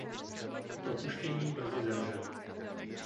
Po propuštění brzy zemřel.